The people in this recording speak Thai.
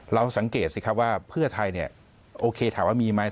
เราสังเกตสิครับว่าเพื่อไทยเนี่ยโอเคถามว่ามีไหม